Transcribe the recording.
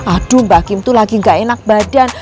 aduh mbak kim tuh lagi gak enak badan